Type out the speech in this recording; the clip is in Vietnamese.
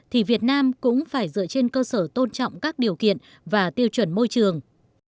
thì việt nam cũng phải dựa trên cơ sở tôn trọng các điều kiện và tiêu chuẩn môi trường